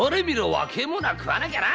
若い者は食わなきゃな！